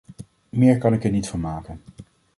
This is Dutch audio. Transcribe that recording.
Meer kan ik er niet van maken.